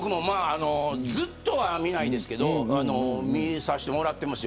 ずっとは見ないですけど見させてもらってます。